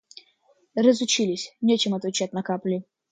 Разучились — нечем ответить на капли.